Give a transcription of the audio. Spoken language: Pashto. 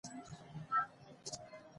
زه له نرم خوی خلکو سره مینه لرم.